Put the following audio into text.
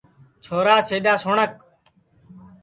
چھورا سِڈؔا سُنٚٹؔک